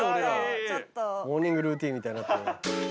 モーニングルーティーンみたいになって。